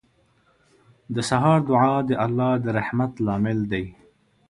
• د سهار دعا د الله د رحمت لامل دی.